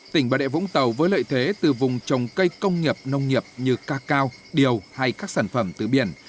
tỉnh bà đệ vũng tàu với lợi thế từ vùng trồng cây công nghiệp nông nghiệp như ca cao điều hay các sản phẩm tứ biển